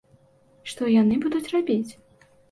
Што яны будуць рабіць?